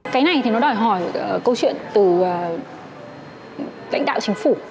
cái này thì nó đòi hỏi câu chuyện từ lãnh đạo chính phủ